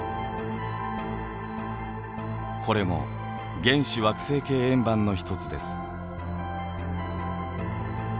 これも原始惑星系円盤の一つです。